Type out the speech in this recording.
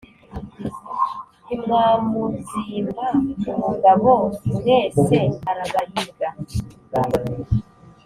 Ntimwamuzimba ubugabo mwese arabahiga